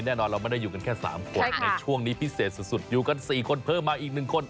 แน่นอนเราไม่ได้อยู่กันแค่๓คนในช่วงนี้พิเศษสุดอยู่กัน๔คนเพิ่มมาอีก๑คน